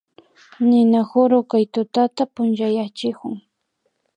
Ninakuru kay tutata punchayachikun